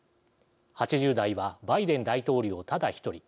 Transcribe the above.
８０代はバイデン大統領ただ１人。